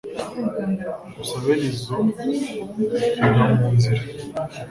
gusa bene izo zipfira mu nzira.